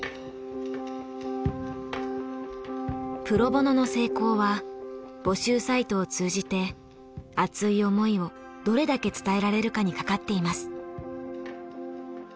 プロボノの成功は募集サイトを通じて熱い思いをどれだけ伝えられるかにかかっています。